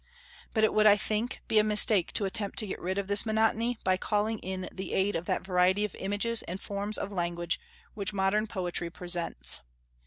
But it would, I think, be a mistake to attempt to get rid of this monotony by calling in the aid of that variety of images and forms of language which modern poetry presents.